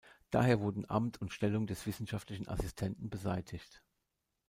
Daher wurden Amt und Stellung des Wissenschaftlichen Assistenten beseitigt.